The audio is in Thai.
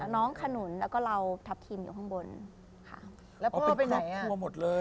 น้องขนุนแล้วก็เราทับทีมอยู่ข้างบนค่ะ